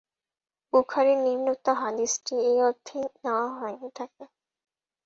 বুখারীর নিম্নোক্ত হাদীসটি এ অর্থেই নেওয়া হয়ে থাকে।